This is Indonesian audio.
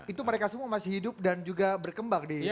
itu mereka semua masih hidup dan juga berkembang di indonesia